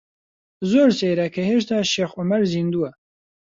زۆر سەیرە کە هێشتا شێخ عومەر زیندووە.